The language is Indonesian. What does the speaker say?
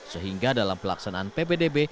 sehingga dalam pelaksanaan ppdb